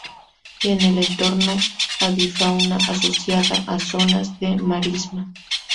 Y en el entorno, avifauna asociada a zonas de marisma.